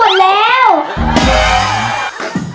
หาร้องหน่อย